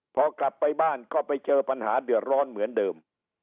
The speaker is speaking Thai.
พอกลับไปบ้านก็ไปเจอปัญหาเดือดร้อนเหมือนเดิม